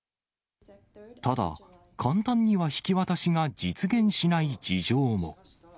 ただ、簡単には引き渡しが実現しない事情も。